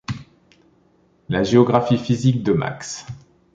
La géographie physique de Max.